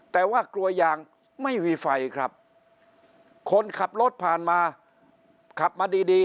แต่ว่ากลัวยางไม่มีไฟครับคนขับรถผ่านมาขับมาดีดี